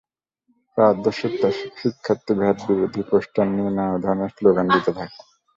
প্রায় অর্ধশত শিক্ষার্থী ভ্যাট বিরোধী পোস্টার নিয়ে নানা ধরনের স্লোগান দিতে থাকেন।